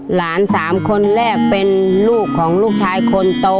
สามคนแรกเป็นลูกของลูกชายคนโต